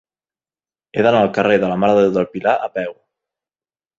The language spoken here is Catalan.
He d'anar al carrer de la Mare de Déu del Pilar a peu.